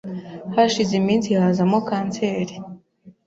hashize iminsi hazamo kanseri